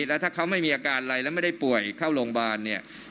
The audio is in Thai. แล้วถ้าเขาไม่มีอาการอะไรแล้วไม่ได้ป่วยเข้าโรงพยาบาลเนี่ย